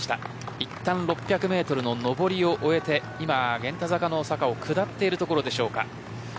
いったん６００メートルの上りを終えて今、源太坂の坂を下っているところでしょうか。